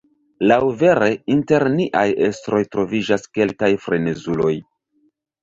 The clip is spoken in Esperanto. Laŭvere, inter niaj estroj troviĝas kelkaj frenezuloj.